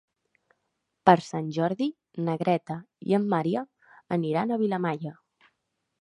Per Sant Jordi na Greta i en Maria aniran a Vilamalla.